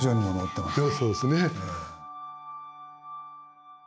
そうですね。